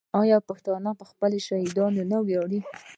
آیا پښتون په خپل شهید نه ویاړي؟